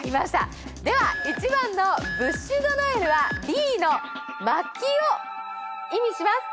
では１番のブッシュ・ド・ノエルはＢの薪を意味します。